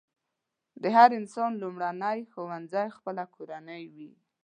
د هر انسان لومړنی ښوونځی خپله کورنۍ وي.